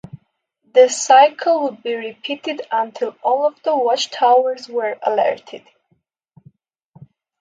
This cycle would be repeated until all of the watchtowers were alerted.